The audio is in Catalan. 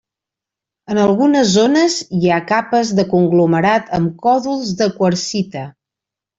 En algunes zones hi ha capes de conglomerat amb còdols de quarsita.